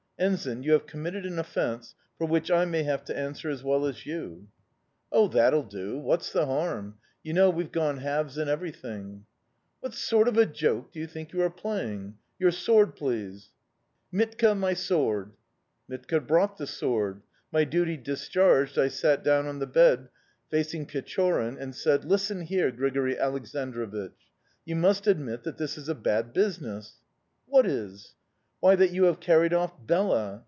"'Ensign, you have committed an offence for which I may have to answer as well as you.' "'Oh, that'll do. What's the harm? You know, we've gone halves in everything.' "'What sort of a joke do you think you are playing? Your sword, please!'... "'Mitka, my sword!' "'Mitka brought the sword. My duty discharged, I sat down on the bed, facing Pechorin, and said: 'Listen here, Grigori Aleksandrovich, you must admit that this is a bad business.' "'What is?' "'Why, that you have carried off Bela...